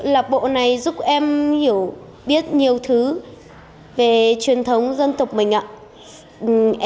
lạc bộ này giúp em hiểu biết nhiều thứ về truyền thống dân tộc mình ạ